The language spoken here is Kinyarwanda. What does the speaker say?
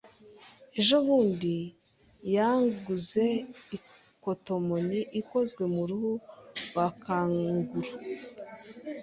Ejobundi yanguze ikotomoni ikozwe mu ruhu rwa kanguru.